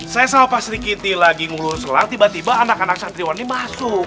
saya sama pak sri kiti lagi ngurus lah tiba tiba anak anak santriwan ini masuk